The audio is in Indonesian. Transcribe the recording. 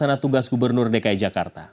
rencana tugas gubernur dki jakarta